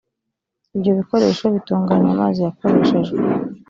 ibyo bikoresho bitunganya amazi yakoreshejwe